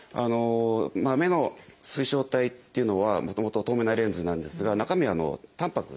目の水晶体っていうのはもともと透明なレンズなんですが中身はたんぱくなんですね。